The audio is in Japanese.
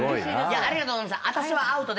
ありがとうございます。